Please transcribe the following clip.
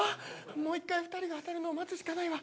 もう１回２人が当たるのを待つしかないわ。